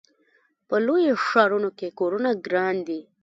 په لویو ښارونو کې کورونه ګران دي.